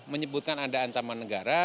menyebutkan ada ancaman negara